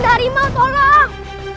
ada harimau tolong